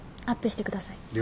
アップしてください。